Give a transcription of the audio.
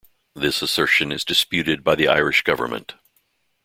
This assertion is disputed by the Irish government.